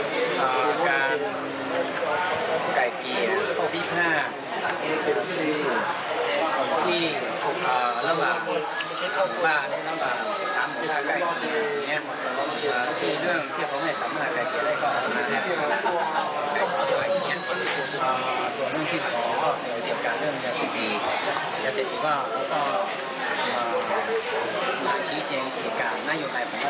เศรษฐีกว่าหลังชีวิตเจ๋งอีกการน่าอยู่ในประสบธรรมาไม่ให้เศษไม่ให้เห็นภัย